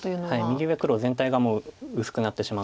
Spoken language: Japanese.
右上黒全体がもう薄くなってしまうので。